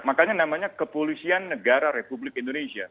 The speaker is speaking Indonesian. makanya namanya kepolisian negara republik indonesia